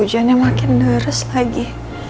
hujannya makin deres lagi